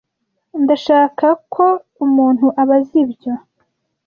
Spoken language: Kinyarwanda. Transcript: Ndashaka ko umuntu abaza ibyo.